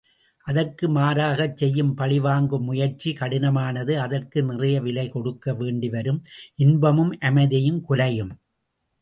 அதற்கு மாறாகச் செய்யும் பழிவாங்கும் முயற்சி கடினமானது அதற்கு நிறைய விலை கொடுக்க வேண்டிவரும் இன்பமும் அமைதியும் குலையும்.